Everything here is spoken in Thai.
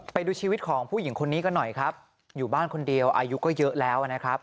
ไปดูชีวิตของผู้หญิงคนนี้ก็หน่อยครับอยู่บ้านคนเดียวอายุก็เยอะแล้วนะครับ